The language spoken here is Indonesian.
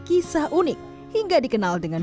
kisah unik hingga dikenal dengan